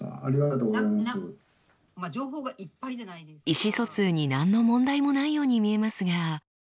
意思疎通に何の問題もないように見えますが。